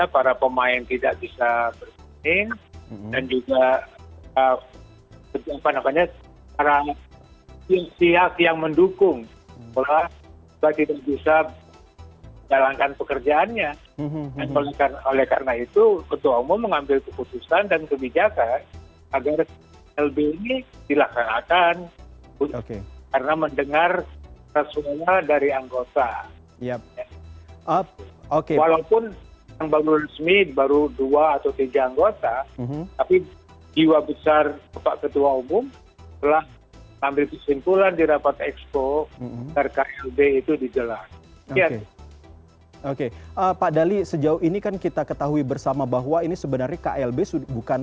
pembangunan pembangunan pembangunan